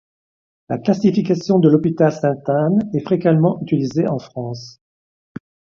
La classification de l'Hôpital Sainte-Anne est fréquemment utilisée en France.